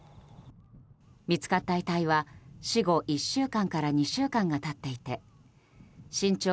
見つかった遺体は死後１週間から２週間が経っていて身長